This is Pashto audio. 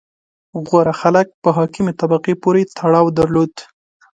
• غوره خلک په حاکمې طبقې پورې تړاو درلود.